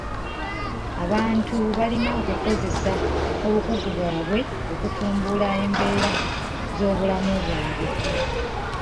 Abantu balina okukozesa obukugu bwabwe okutumbula mbeera z'obulamu bwabwe.